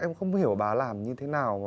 em không hiểu bà ấy làm như thế nào